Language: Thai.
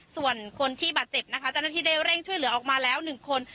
ส่วนคนที่บาดเจ็บนะคะเจ้าหน้าที่ได้เร่งช่วยเหลือออกมาแล้ว๑คน